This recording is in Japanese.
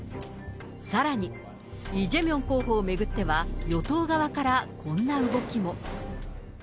さらに、イ・ジェミョン候補を巡っては、与党側からこんな動きも。